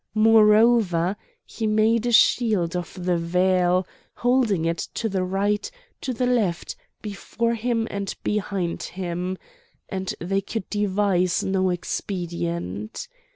Moreover, he made a shield of the veil, holding it to the right, to the left, before him and behind him; and they could devise no expedient.